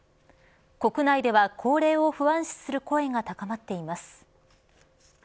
国内では高齢を不安視する声が高まっています。